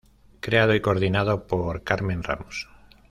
Creado y coordinado por Carmen Ramos.